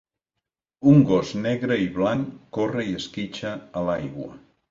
Un gos negre i blanc corre i esquitxa a l'aigua.